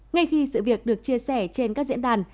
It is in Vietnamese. ngay khi sự việc được chia sẻ trên các diễn đàn